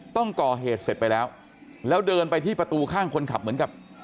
ต้องก่อเหตุเสร็จไปแล้วแล้วเดินไปที่ประตูข้างคนขับเหมือนกับ